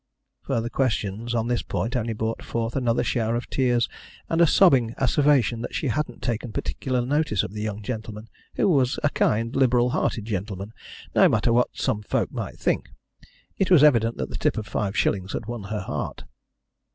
Further questions on this point only brought forth another shower of tears, and a sobbing asseveration that she hadn't taken particular notice of the young gentleman, who was a kind, liberal hearted gentleman, no matter what some folk might think. It was evident that the tip of five shillings had won her heart.